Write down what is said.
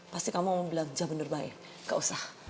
pasti kamu mau bilang jam benar baik enggak usah